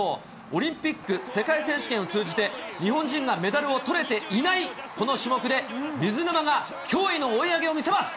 オリンピック、世界選手権を通じて日本人がメダルをとれていないこの種目で、水沼が驚異の追い上げを見せます。